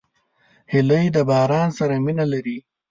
هیلۍ د باران سره مینه لري